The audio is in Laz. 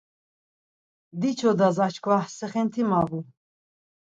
Diçodas aşkva, sixinti mayu.